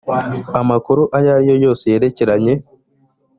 amakuru ayo ari yo yose yerekeranye